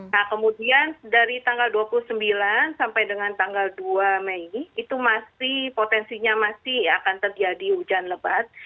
nah kemudian dari tanggal dua puluh sembilan sampai dengan tanggal dua mei itu masih potensinya masih akan terjadi hujan lebat